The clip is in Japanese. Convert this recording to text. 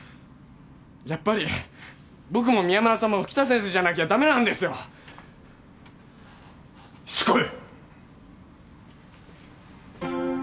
やっぱり僕も宮村さんも北先生じゃなきゃダメなんですよしつこい！